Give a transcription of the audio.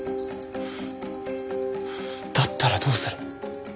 だったらどうする？